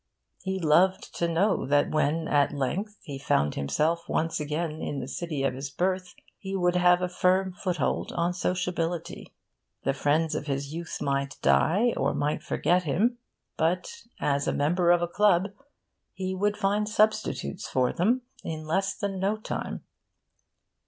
He loved to know that when, at length, he found himself once again in the city of his birth he would have a firm foothold on sociability. The friends of his youth might die, or might forget him. But, as member of a club, he would find substitutes for them in less than no time.